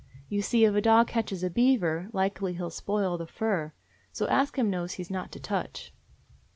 You see, if a dog catches a beaver, likely he 'll spoil the fur. So Ask Him knows he 's not to touch."